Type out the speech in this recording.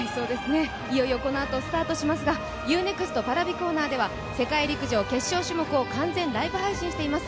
いよいよこのあとスタートしますが、Ｕ−ＮＥＸＴＰａｒａｖｉコーナーでは世界陸上決勝種目を完全ライブ配信しています。